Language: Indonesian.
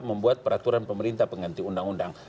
maka bisa membuat peraturan pemerintah pengganti undang undang